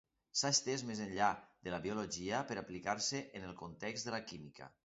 S'ha estès més enllà de la biologia per aplicar-se en el context de la química.